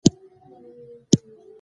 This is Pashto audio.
د لوړو زده کړو وزارت